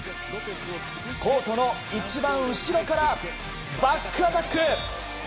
コートの一番後ろからバックアタック！